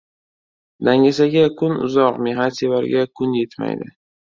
• Dangasaga kun uzoq, mehnatsevarga kun yetmaydi.